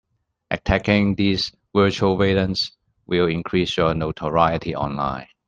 Attacking these virtual villains will increase your notoriety online.